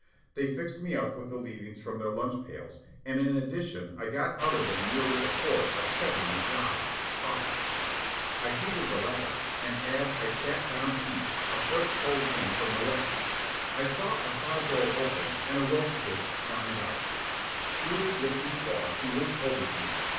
They fixed me up with the leavings from their lunch pails, and in addition I got out of them nearly a quart of heavenly "Java" (coffee). I heated the latter, and, as I sat down to eat, a freight pulled in from the west. I saw a side door open and a road kid climb out. Through the drifting fog he limped over to me.